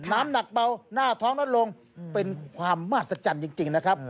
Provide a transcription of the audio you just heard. น้ำหนักเบาหน้าท้องน่ะลงเป็นความมากสักจันทร์จริงนะครับ